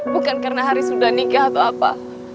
bukan karena haris udah nikah atau apa